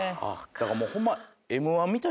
だからもうホンマ。